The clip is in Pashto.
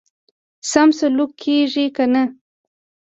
سم سلوک کیږي کنه.